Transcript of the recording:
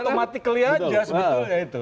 jadi otomatik aja sebetulnya itu